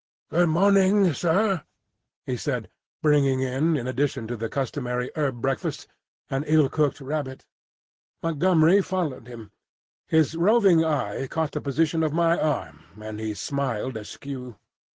"Good morning, sair," he said, bringing in, in addition to the customary herb breakfast, an ill cooked rabbit. Montgomery followed him. His roving eye caught the position of my arm and he smiled askew.